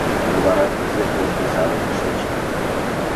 — Ну, вара кузе коштын савырнышыч?